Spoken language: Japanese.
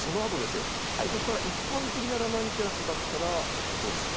そこから一般的なラナンキュラスだったらどうでしょうか？